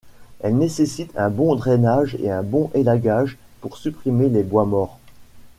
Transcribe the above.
Elle nécessite un bon drainage et un bon élagage pour supprimer les bois morts.